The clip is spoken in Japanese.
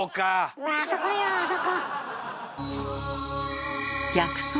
うわあそこよあそこ！